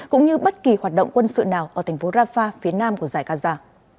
cũng như bất kỳ hoạt động quân sự nào ở thành phố rafah phía nam của giải gaza